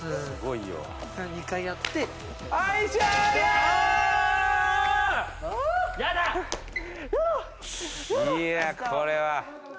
いやこれは。